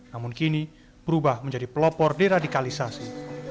namun kini berubah menjadi pelopor deradikalisasi